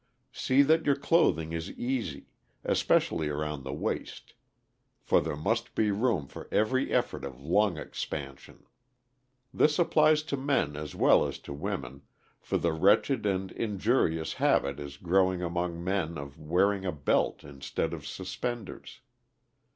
See that your clothing is easy, especially around the waist, for there must be room for every effort of lung expansion. This applies to men as well as to women, for the wretched and injurious habit is growing among men of wearing a belt instead of suspenders.